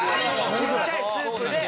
ちっちゃいスープで。